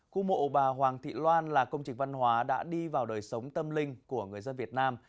khu mộ bà hoàng thị loan là công trình văn hóa đã đi vào đời sống tâm linh của người dân việt nam